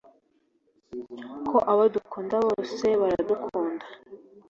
ko abo dukunda bose baradukunda